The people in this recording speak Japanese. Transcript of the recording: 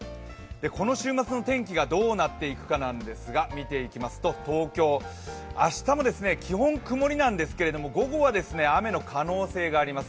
この週末の天気がどうなっていくかなんですが見ていきますと、東京、明日も基本曇りなんですけれども午後は雨の可能性があります。